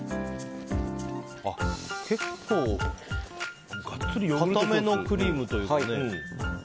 結構かためのクリームというかね。